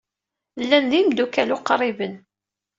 Llan d imeddukal uqriben.